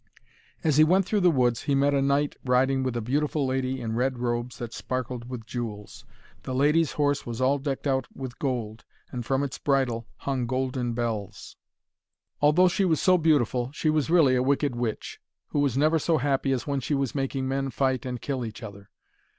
As he went through the woods he met a knight riding with a beautiful lady in red robes that sparkled with jewels. The lady's horse was all decked out with gold, and from its bridle hung golden bells. Although she was so beautiful, she was really a wicked witch, who was never so happy as when she was making men fight and kill each other.